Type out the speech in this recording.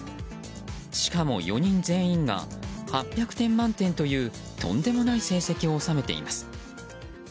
しかも、４人全員が８００点満点というとんでもない成績を収めています。